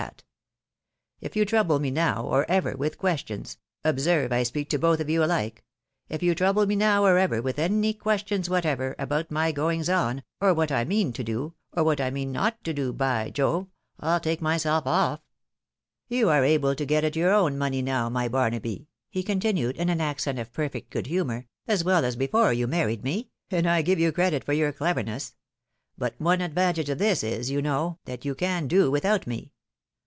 207 that. If you trouble me now, or ever, with questions— observe, I speak to both of you alike — ^if you trouble me now or ever with any questions whatever, about my goings on, or what I mean to do, or what I mean not to do, by Jove, I'll take myself off! You are able to get at your own money now, my Bar naby," he continued, in an accent of perfect good humour, " as well as before you married me, and I give you credit for your cleverness ; but one advantage of this is, you know, that you can do without me.